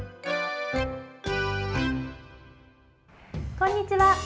こんにちは。